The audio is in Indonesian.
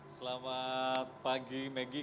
selamat pagi maggie